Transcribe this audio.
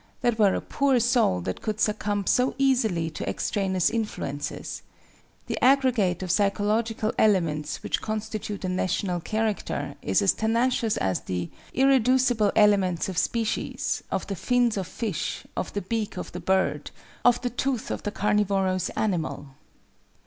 That were a poor soul that could succumb so easily to extraneous influences. The aggregate of psychological elements which constitute a national character, is as tenacious as the "irreducible elements of species, of the fins of fish, of the beak of the bird, of the tooth of the carnivorous animal."